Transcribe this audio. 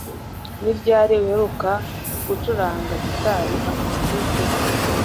Ni ryari uheruka gucuranga gitari acoustic